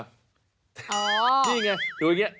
นี่ไงตัวอย่างนี้